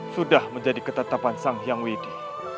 sudah menjadi ketetapan sang hyang widi